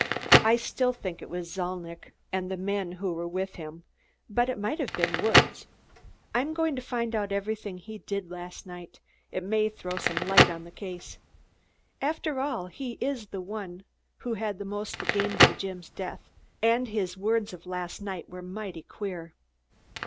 "I still think it was Zalnitch and the men who were with him, but it might have been Woods. I'm going to find out everything he did last night. It may throw some light on the case. After all, he is the one who had the most to gain by Jim's death, and his words of last night were mighty queer."